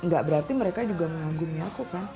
gak berarti mereka juga mengagumi aku kan